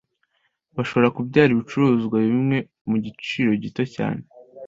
Bashobora kubyara ibicuruzwa bimwe ku giciro gito cyane.